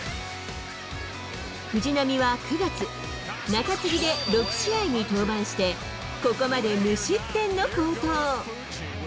藤浪は９月、中継ぎで６試合に登板して、ここまで無失点の好投。